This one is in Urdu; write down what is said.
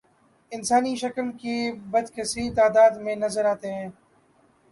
انسانی شکل کے بت کثیر تعداد میں نظر آتے ہیں